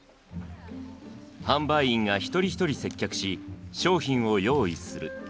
販売員が一人一人接客し商品を用意する。